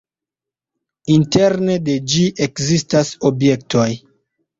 Interne de ĝi ekzistas objektoj.